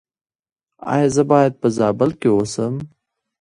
ایا زه باید په زابل کې اوسم؟